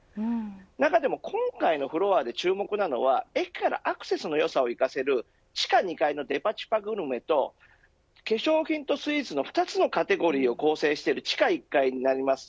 中でも今回のフロアで注目なのは駅からアクセスの良さを生かせる地下２階のデパ地下グルメと化粧品とスイーツの２つのカテゴリーを構成している地下１階になります。